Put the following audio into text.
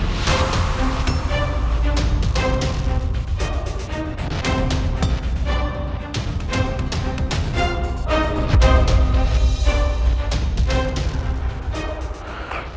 maka aku pembunuhan roy